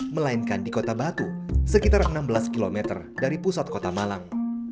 melainkan di kota batu sekitar enam belas km dari pusat kota malang